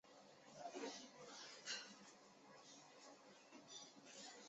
研究疫情后期涉法社会问题的解决和各类矛盾的化解